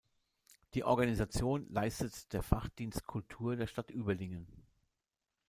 Die Organisation leistet der Fachdienst Kultur der Stadt Überlingen.